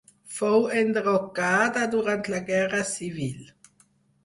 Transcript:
Fou enderrocada durant la Guerra civil.